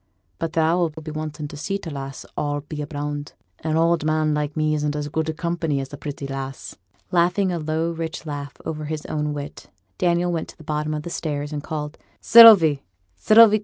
But thou'll be wanting to see t' lass, a'll be bound. An oud man like me isn't as good company as a pretty lass.' Laughing a low rich laugh over his own wit, Daniel went to the bottom of the stairs, and called, 'Sylvie, Sylvie!